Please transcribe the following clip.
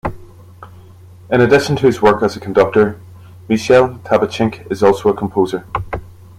In addition to his work as a conductor, Michel Tabachnik is also a composer.